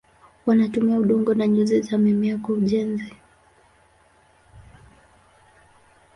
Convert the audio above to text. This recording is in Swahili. Wanatumia udongo na nyuzi za mimea kwa ujenzi.